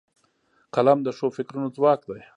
قلم د ښو فکرونو ځواک دی